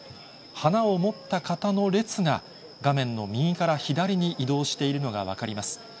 花を持った方の列が、画面の右から左に移動しているのが分かります。